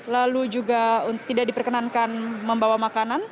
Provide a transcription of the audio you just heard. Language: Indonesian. lalu juga tidak diperkenankan membawa makanan